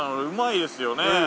うまいですよね。